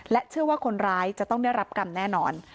เชื่อว่าคนร้ายจะต้องได้รับกรรมแน่นอน